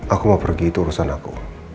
aku mau pergi itu urusan aku